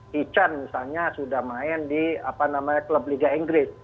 he chan misalnya sudah main di klub liga inggris